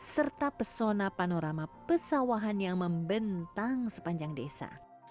serta pesona panorama pesawahan yang membentang sepanjang desa